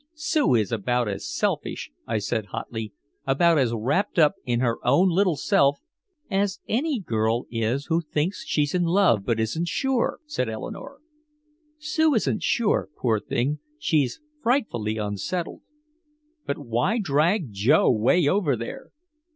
"Sue is about as selfish," I said hotly, "about as wrapped up in her own little self " "As any girl is who thinks she's in love but isn't sure," said Eleanore. "Sue isn't sure poor thing she's frightfully unsettled." "But why drag Joe way over there?"